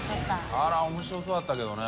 あら面白そうだったけどね。